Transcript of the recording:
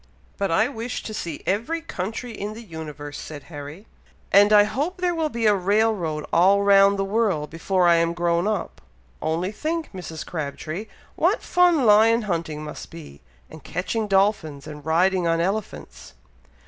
"But I wish to see every country in the universe," said Harry; "and I hope there will be a rail road all round the world before I am grown up. Only think, Mrs. Crabtree, what fun lion hunting must be, and catching dolphins, and riding on elephants."